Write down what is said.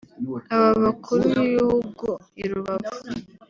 Aba bakuru b’ibihugu i Rubavu